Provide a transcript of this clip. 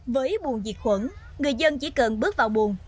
với buồn diệt khuẩn người dân chỉ cần bước vào buồn